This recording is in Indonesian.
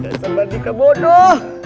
dasar bandika bodoh